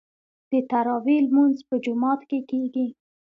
د تراويح لمونځ په جومات کې کیږي.